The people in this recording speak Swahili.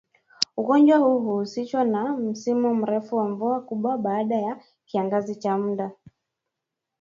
Ugonjwa huu huhusishwa na msimu mrefu wa mvua kubwa baada ya kiangazi cha muda